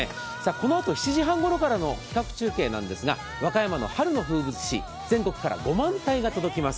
このあと７時半ごろからの企画中継なんですが和歌山の春の風物詩全国から５万体が届きます